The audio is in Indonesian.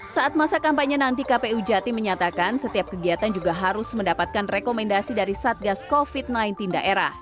saat masa kampanye nanti kpu jatim menyatakan setiap kegiatan juga harus mendapatkan rekomendasi dari satgas covid sembilan belas daerah